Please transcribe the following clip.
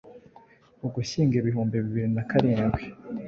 Ugushyingo ibihumbi bibiri na karindwi